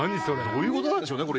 どういう事なんでしょうね